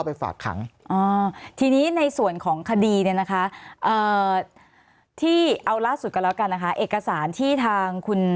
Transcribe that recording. เพราะว่าที่โรงพักษณ์ไม่มีเงิน